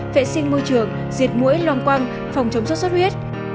vệ sinh môi trường diệt mũi loang quang phòng chống sốt huyết